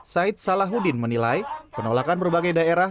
said salahuddin menilai penolakan berbagai daerah